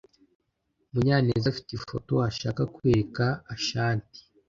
Munyanez afite ifoto ashaka kwereka Ashanti.